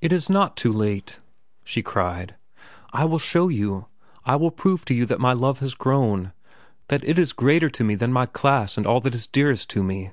"It is not too late," she cried. "I will show you. I will prove to you that my love has grown, that it is greater to me than my class and all that is dearest to me.